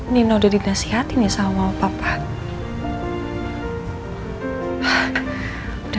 nina udah didasihatin ya sama papa